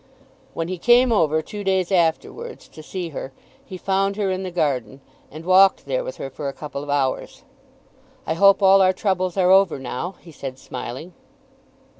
When he came over, two days afterwards, to see her he found her in the garden, and walked there with her for a couple of hours. "I hope all our troubles are over now," he said smiling.